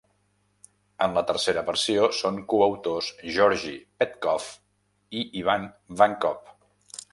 En la tercera versió són coautors Georgi Petkov i Ivan Vankov.